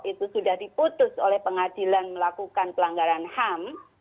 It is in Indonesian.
itu sudah diputus oleh pengadilan melakukan pelanggaran ham